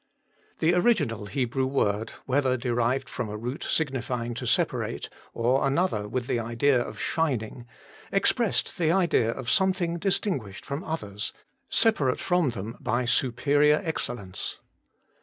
1 The original Hebrew word, whether derived from a root signifying to separate, or another with the idea of shining, expressed the idea of something distinguished from others, separate from them by superior excellence.